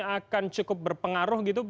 akan cukup berpengaruh